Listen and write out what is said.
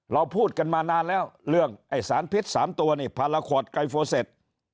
เราพูดกันมานานแล้วเรื่องไอ้สารพิษ๓ตัวนี่พาราคอดไกรโฟเซ็ต